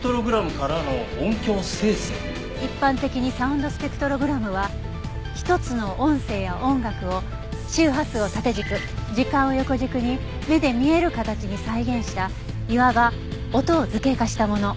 一般的にサウンドスペクトログラムは１つの音声や音楽を周波数を縦軸時間を横軸に目で見える形に再現したいわば音を図形化したもの。